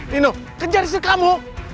dino kejar disini kamu